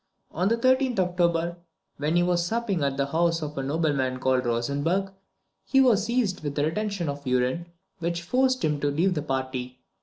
On the 13th October, when he was supping at the house of a nobleman called Rosenberg, he was seized with a retention of urine, which forced him to leave the party.